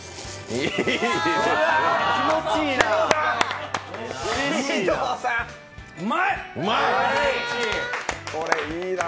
気持ちいいな。